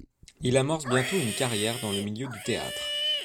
Il amorce bientôt une carrière dans le milieu du théâtre.